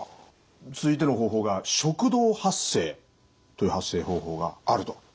続いての方法が食道発声という発声方法があると。